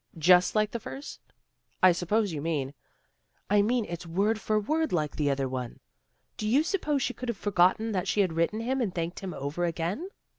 " Just like the first? I suppose you mean " I mean it's word for word like the other one. Do you suppose she could have forgotten that she had written him and thanked him over again?